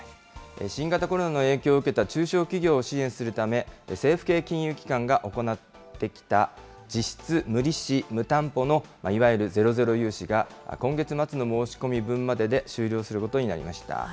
新型コロナの影響を受けた中小企業を支援するため、政府系金融機関が行ってきた、実質無利子・無担保のいわゆるゼロゼロ融資が、今月末の申し込み分までで終了することになりました。